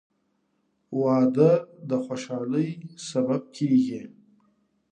• واده د خوشحالۍ سبب کېږي.